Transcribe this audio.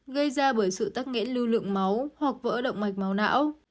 gây ra bởi sự tắc nghẽn lưu lượng máu hoặc vỡ động mạch máu não